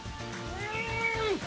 ◆うん！